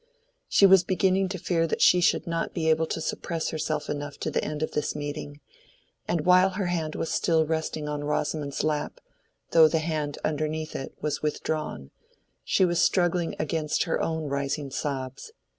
She was beginning to fear that she should not be able to suppress herself enough to the end of this meeting, and while her hand was still resting on Rosamond's lap, though the hand underneath it was withdrawn, she was struggling against her own rising sobs.